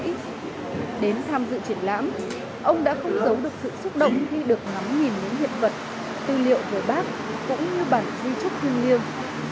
đến tham dự triển lãm ông đã không giấu được sự xúc động khi được ngắm nhìn những hiện vật tư liệu về bác cũng như bản di chúc thương liêng